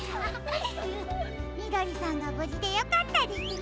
みどりさんがぶじでよかったですね。